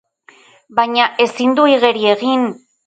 Baina ezin du igeri egin!